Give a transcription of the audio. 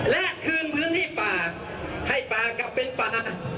และคืนพื้นที่ป่าให้ป่ากลับเป็นป่า